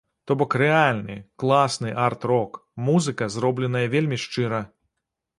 То бок рэальны, класны арт-рок, музыка, зробленая вельмі шчыра.